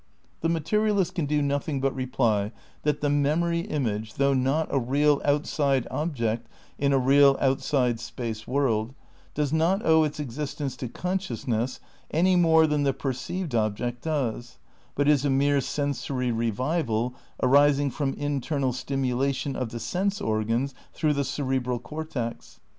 The materialist can do nothing but reply that the memory image, though not a real outside object in a real, outside space world, does not owe its existence to consciousness any more than the perceived object does, but is a mere sensory revival arising from in ternal stimulation of the sense organs through the cere bral cortex.